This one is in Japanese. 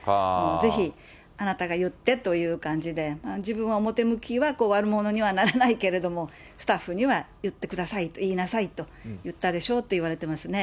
ぜひあなたが言ってという感じで、自分は表向きは悪者にはならないけれども、スタッフには言ってください、言いなさいと言ったでしょうと、いわれてますね。